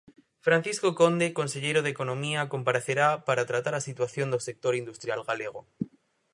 Francisco Conde, conselleiro de Economía, comparecerá para tratar a situación do sector industrial galego.